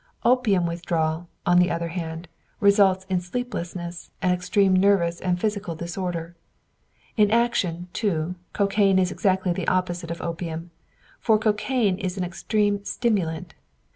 Opium withdrawal, on the other hand, results in sleeplessness and extreme nervous and physical disorder. In action, too, cocaine is exactly the opposite of opium, for cocaine is an extreme stimulant.